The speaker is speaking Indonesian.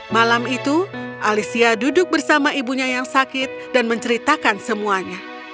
malam itu alicia duduk bersama ibunya yang sakit dan menceritakan semuanya